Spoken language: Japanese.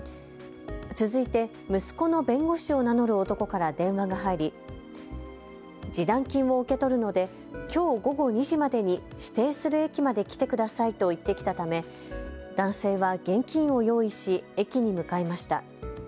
続いて、息子の弁護士を名乗る男から電話が入り示談金を受け取るのできょう午後２時までに指定する駅まで来てくださいと言ってきたため、男性は現金を用意し、駅に向かいました。